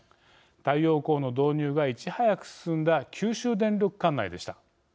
太陽光の導入がいち早く進んだ九州電力管内でした。